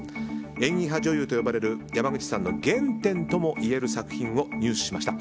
演技派女優と呼ばれる山口さんの原点ともいえる作品を入手しました。